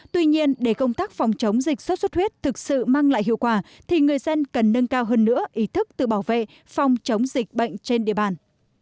tuy nhiên để công tác phòng chống dịch sốt xuất huyết thực sự mang lại hiệu quả thì người dân cần nâng cao hơn nữa ý thức tự bảo vệ phòng chống dịch bệnh trên địa bàn